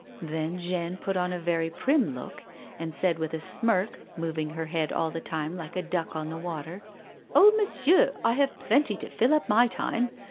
Then Jeanne put on a very prim look, and said with a smirk, moving her head all the time like a duck on the water : 00 A WOMAN'S LIFE. " Oh, monsieur, I have plenty to fill up my time.